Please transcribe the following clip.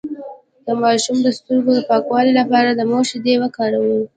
د ماشوم د سترګو د پاکوالي لپاره د مور شیدې وکاروئ